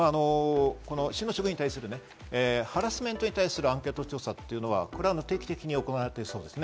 市の職員に対するハラスメントに対するアンケート調査というのは定期的に行われているそうです。